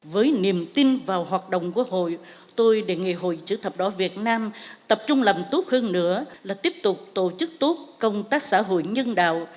với niềm tin vào hoạt động quốc hội tôi đề nghị hội chữ thập đỏ việt nam tập trung làm tốt hơn nữa là tiếp tục tổ chức tốt công tác xã hội nhân đạo